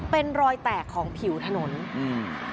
เป็นรอยแตกของิอง